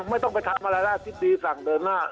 ไม่ต้องไปทำอะไรได้อธิบดีสั่งเดินหน้า